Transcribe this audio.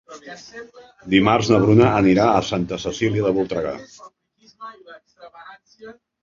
Dimarts na Bruna anirà a Santa Cecília de Voltregà.